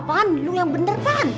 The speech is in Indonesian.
apaan lu yang bener bang